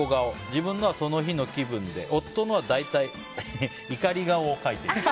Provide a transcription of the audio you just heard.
自分のはその日の気分で夫のは大体怒り顔を描いています。